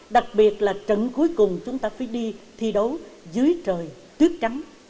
đặc biệt là trận cuối cùng chúng ta phải đi thi đấu dưới trời tuyết trắng